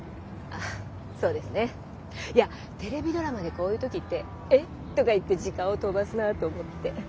あそうですね。いやテレビドラマでこういう時って「え？」とか言って時間を飛ばすなと思って。